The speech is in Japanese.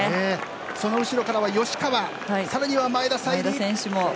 その後ろからは吉川さらには前田彩里。